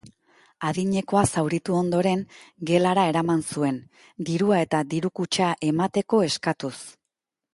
Adinekoa zauritu ondoren, gelara eraman zuen, dirua eta diru-kutxa emateko eskatuz.